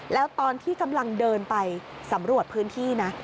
แล้วตอนที่กำลังเดินไปสำรวจพื้นที่นะ